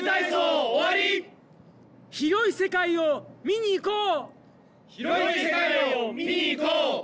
広い世界を見にいこう！